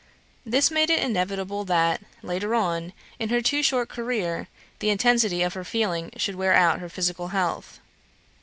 This made it inevitable that later on, in her too short career the intensity of her feeling should wear out her physical health.